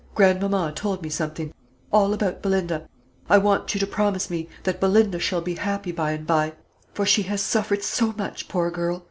Grandmamma told me something all about Belinda. I want you to promise me that Belinda shall be happy by and by; for she has suffered so much, poor girl!